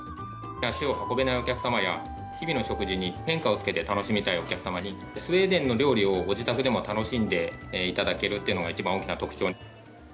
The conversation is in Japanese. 足を運べないお客様や、日々の食事に変化をつけて楽しみたいお客様に、スウェーデンの料理をご自宅でも楽しんでいただけるっていうのが一番大きな特徴。